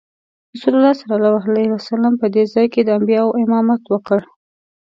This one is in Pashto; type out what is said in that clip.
رسول الله صلی الله علیه وسلم په دې ځای کې د انبیاوو امامت وکړ.